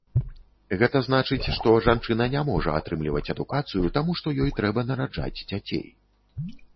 Гэта значыць, што жанчына не можа атрымліваць адукацыю, таму што ёй трэба нараджаць дзяцей.